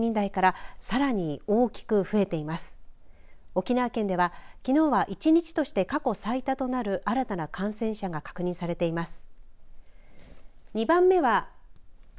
沖縄県ではきのうは１日として過去最多となる新たな感染者が確認されています。